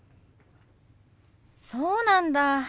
そうなんだ。